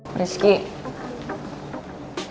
sampai jumpa di video selanjutnya